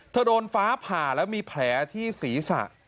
โดนฟ้าผ่าแล้วมีแผลที่ศีรษะ